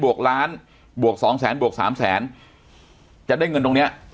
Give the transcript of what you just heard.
ว่าหน้าสองแสนบักสามแสนจะได้เงินตรงนี้